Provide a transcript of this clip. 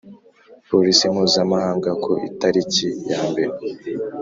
Polisi mpuzamahanga ku italiki ya mbere